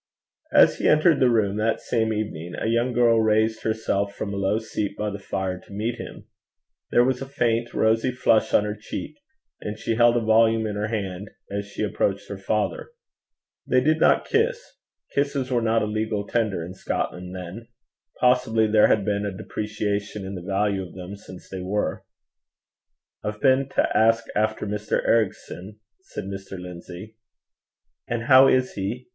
As he entered the room that same evening, a young girl raised herself from a low seat by the fire to meet him. There was a faint rosy flush on her cheek, and she held a volume in her hand as she approached her father. They did not kiss: kisses were not a legal tender in Scotland then: possibly there has been a depreciation in the value of them since they were. 'I've been to ask after Mr. Ericson,' said Mr. Lindsay. 'And how is he?'